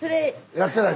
やってない。